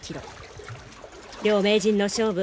両名人の勝負